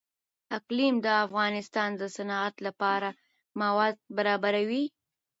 اقلیم د افغانستان د صنعت لپاره مواد برابروي.